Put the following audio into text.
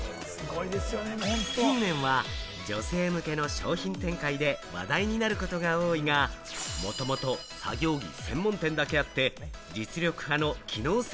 近年は女性向けの商品展開で話題になることが多いが、もともと作業着専門店だけあって、実力派の機能性